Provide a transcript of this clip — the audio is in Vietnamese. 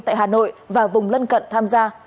tại hà nội và vùng lân cận tham gia